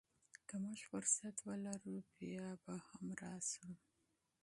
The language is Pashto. که موږ فرصت ولرو، بیا به هم راشو.